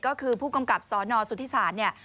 ก็คือผู้กำกับสนสุธิศาสตร์เนี่ย